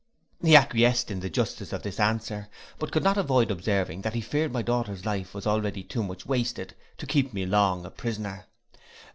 He acquiesced in the justice of this answer, but could not avoid observing, that he feared my daughter's life was already too much wasted to keep me long a prisoner.